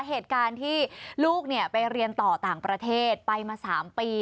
เหตุการณ์ที่ลูกไปเรียนต่อต่างประเทศไปมา๓ปี